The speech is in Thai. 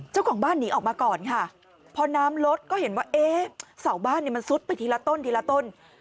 เจ้าของบ้านหนีออกมาก่อนค่ะพอน้ำลดก็เห็นว่าเอ๊ะเสาบ้านเนี่ยมันซุดไปทีละต้นทีละต้น